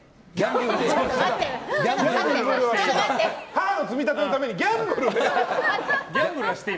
母の積み立てのためにギャンブルを？